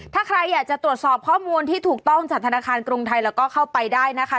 ถ้าใครอยากจะตรวจสอบข้อมูลที่ถูกต้องจากธนาคารกรุงไทยแล้วก็เข้าไปได้นะคะ